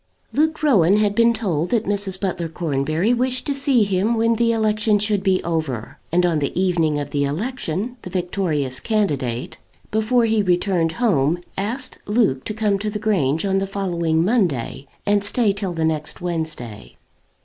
Luke Rowan had been told that Mrs. Butler Cornbury wished to see him when the election should be over; and on the evening of the election the victorious candidate, before he returned home, asked Luke to come to the Grange on the following Monday and stay till the next Wednesday.